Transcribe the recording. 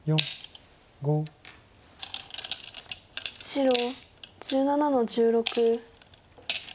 白１７の十六。